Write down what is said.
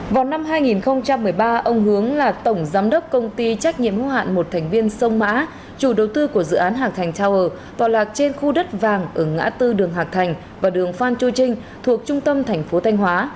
vào năm hai nghìn một mươi ba ông hướng là tổng giám đốc công ty trách nhiệm hữu hạn một thành viên sông mã chủ đầu tư của dự án hạc thành tower vào lạc trên khu đất vàng ở ngã tư đường hạc thành và đường phan chu trinh thuộc trung tâm thành phố thanh hóa